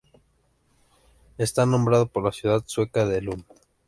Está nombrado por la ciudad sueca de Lund.